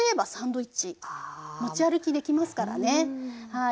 はい。